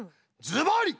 ズバリ！